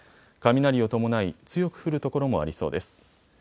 雷を伴い、強く降る所もありそうです。